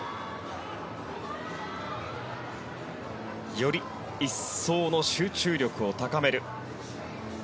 より一層の集中力を高める。